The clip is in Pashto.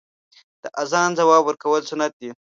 د اذان ځواب ورکول سنت دی .